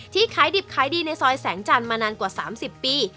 ขายดิบขายดีในซอยแสงจันทร์มานานกว่า๓๐ปี